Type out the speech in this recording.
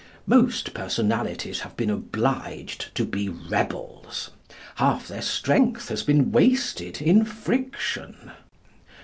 Most personalities have been obliged to be rebels. Half their strength has been wasted in friction.